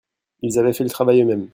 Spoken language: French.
Ils avaient fait le travail eux-mêmes.